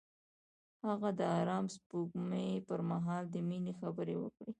هغه د آرام سپوږمۍ پر مهال د مینې خبرې وکړې.